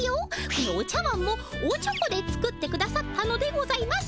このお茶わんもおちょこで作ってくださったのでございます。